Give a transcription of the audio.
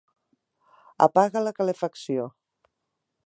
Apaga la calefacció.